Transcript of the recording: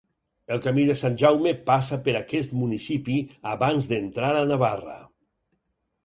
El Camí de Sant Jaume passa per aquest municipi abans d'entrar a Navarra.